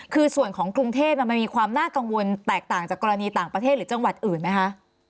คือส่วนของกรุงเทพมันมีความน่ากังวลแตกต่างจากกรณีต่างประเทศหรือจังหวัดอื่นไหมคะ